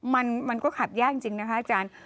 มันก็ขับยากจริงนะคะอาจารย์